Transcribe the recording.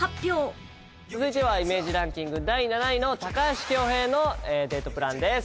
続いてはイメージランキング第７位の高橋恭平のデートプランです。